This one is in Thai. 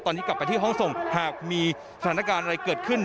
ตอนนี้กลับไปที่ห้องส่งหากมีสถานการณ์อะไรเกิดขึ้น